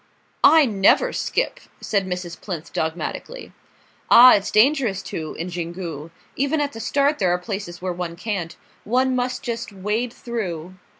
"I never skip," said Mrs. Plinth dogmatically. "Ah, it's dangerous to, in Xingu. Even at the start there are places where one can't. One must just wade through."